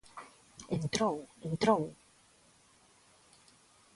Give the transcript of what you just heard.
Entrou, entrou.